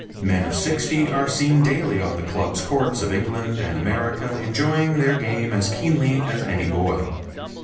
Men of sixty are seen daily on the clubs' courts of England and America enjoying their game as keenly as any boy.